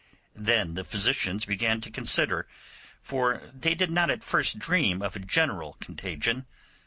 Then the physicians began to consider, for they did not at first dream of a general contagion.